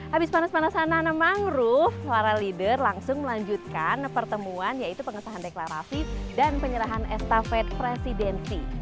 habis panas panasan nana mangrove para leader langsung melanjutkan pertemuan yaitu pengesahan deklarasi dan penyerahan estafet presidensi